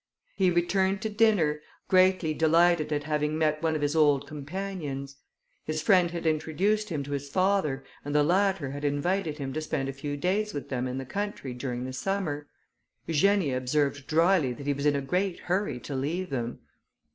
He returned to dinner, greatly delighted at having met one of his old companions. His friend had introduced him to his father, and the latter had invited him to spend a few days with them in the country during the summer. Eugenia observed drily, that he was in a great hurry to leave them.